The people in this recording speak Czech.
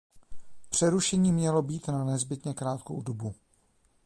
Přerušení mělo být na nezbytnou krátkou dobu.